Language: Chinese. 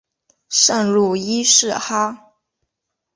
圣路易士哈！